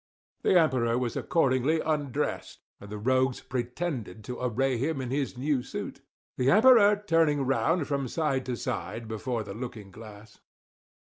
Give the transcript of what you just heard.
The Emperor was accordingly undressed, and the rogues pretended to array him in his new suit; the Emperor turning round, from side to side, before the looking glass.